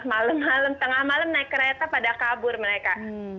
malam malam tengah malam naik kereta pada kabur mereka